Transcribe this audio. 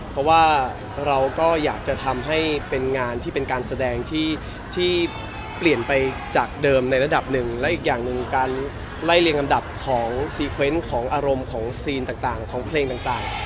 เพราะว่าเราก็อยากจะทำให้เป็นงานที่เป็นการแสดงที่เปลี่ยนไปจากเดิมในระดับหนึ่งและอีกอย่างหนึ่งการไล่เรียงลำดับของซีเคว้นของอารมณ์ของซีนต่างของเพลงต่าง